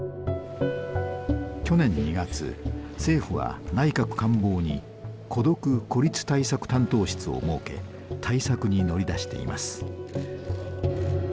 去年２月政府は内閣官房に孤独・孤立対策担当室を設け対策に乗り出しています。